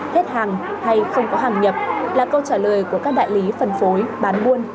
hết hàng hay không có hàng nhập là câu trả lời của các đại lý phân phối bán buôn